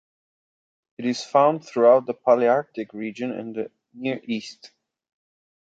It is found throughout the Palearctic region and the Near East.